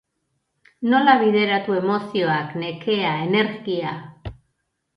Nola bideratu emozioak, nekea, energia?